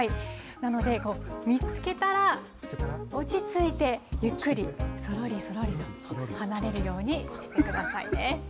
なので、見つけたら落ち着いてゆっくり、そろりそろりと離れるようにしてくださいね。